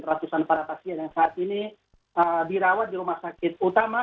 ratusan para pasien yang saat ini dirawat di rumah sakit utama